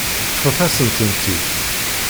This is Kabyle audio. Ṭṭfet-asent-tent-id.